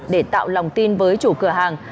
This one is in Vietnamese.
để tạo lòng tin với chủ cửa hàng